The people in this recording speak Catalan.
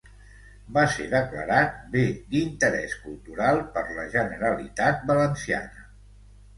Va ser declarat Bé d'Interés Cultural per la Generalitat Valenciana.